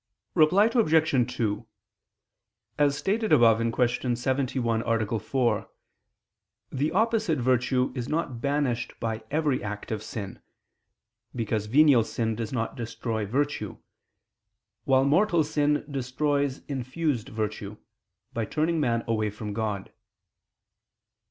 Reply Obj. 2: As stated above (Q. 71, A. 4), the opposite virtue is not banished by every act of sin; because venial sin does not destroy virtue; while mortal sin destroys infused virtue, by turning man away from God.